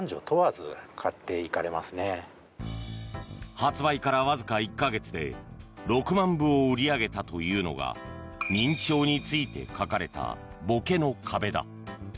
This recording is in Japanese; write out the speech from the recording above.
発売からわずか１か月で６万部を売り上げたというのが認知症について書かれた「ぼけの壁」だ。